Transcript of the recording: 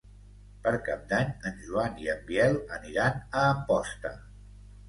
Per Cap d'Any en Joan i en Biel aniran a Amposta.